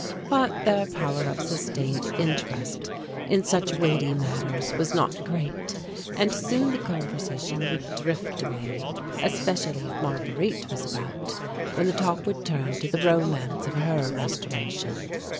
But their power of sustained interest in such weighty matters was not great and soon the conversation would drift away, especially if Marguerite was about, when the talk would turn to the romance of her restoration.